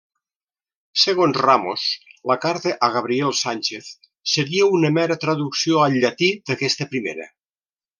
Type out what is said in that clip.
Segons Ramos, la carta a Gabriel Sánchez seria una mera traducció al llatí d'aquesta primera.